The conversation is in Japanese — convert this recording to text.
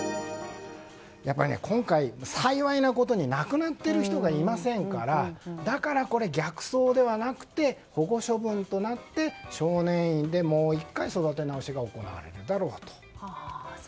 やっぱり今回、幸いなことに亡くなっている人がいませんからだから逆送ではなくて保護処分となって、少年院でもう１回、育て直しが行われるだろうと。